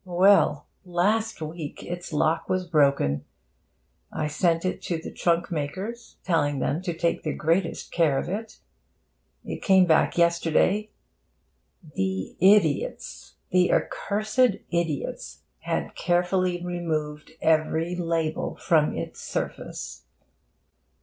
Well! last week its lock was broken. I sent it to the trunk makers, telling them to take the greatest care of it. It came back yesterday. The idiots, the accursed idots! had carefully removed every label from its surface.